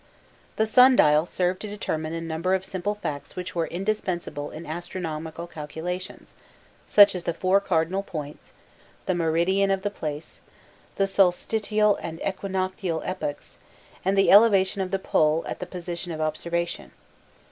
The sun dial served to determine a number of simple facts which were indispensable in astronomical calculations, such as the four cardinal points, the meridian of the place, the solstitial and equinoctial epochs, and the elevation of the pole at the position of observation.